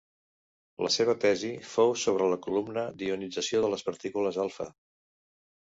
La seva tesi fou sobre la columna d'ionització de les partícules alfa.